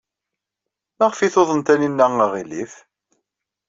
Maɣef ay tuḍen Taninna aɣilif?